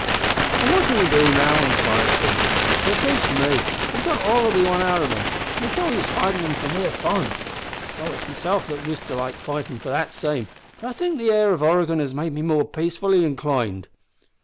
"An' what'll we do now?" inquired Flinders, "for it seems to me we've got all we want out o' them, an' it's no use fightin' them for mere fun though it's mesilf that used to like fightin' for that same; but I think the air of Oregon has made me more peaceful inclined."